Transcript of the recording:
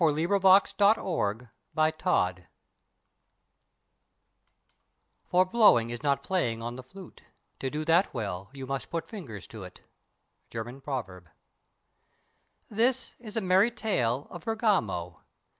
THE ORGANIST OF BERGAMO "For blowing is not playing on the flute, To do that well you must put fingers to't." GERMAN PROVERB. This is a Merry Tale of Bergamo.